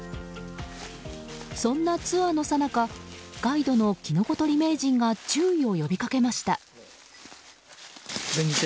そんなツアーのさなかガイドのキノコ採り名人が注意を呼びかけました。